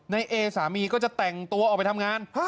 เอสามีก็จะแต่งตัวออกไปทำงาน